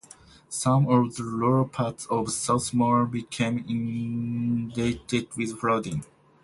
Some of the lower parts of south Moree became inundated with flooding.